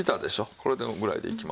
このぐらいでいきますわ。